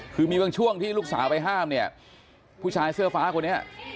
คือมีบางช่วงที่ลูกสาวไปห้ามพุชาเสื้อฟ้าคนนี้